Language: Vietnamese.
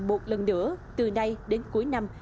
một lần nữa từ nay đến cuối năm